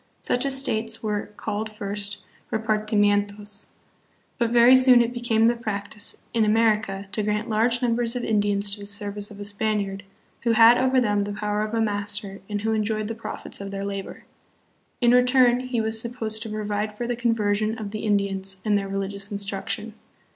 Such estates were called first "repartimientos." But very soon it became the practice, hi America, to grant large numbers of Indians to the ser vice of a Spaniard, who had over them the power of a master and \vho enjoyed the profits of their labor. In return he was supposed to provide for the conversion of the Indians and their religious instruction.